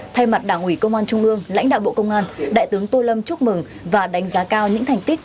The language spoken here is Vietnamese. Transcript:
thay mặt đảng ủy công an trung ương lãnh đạo bộ công an đại tướng tô lâm chúc mừng và đánh giá cao những thành tích